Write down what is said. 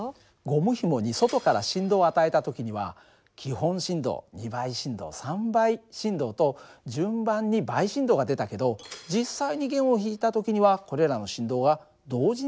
ゴムひもに外から振動を与えた時には基本振動２倍振動３倍振動と順番に倍振動が出たけど実際に弦を弾いた時にはこれらの振動は同時に出るんだよ。